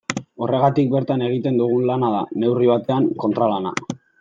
Horregatik bertan egiten dugun lana da, neurri batean, kontralana.